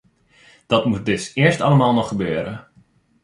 Dat moet dus eerst allemaal nog gebeuren.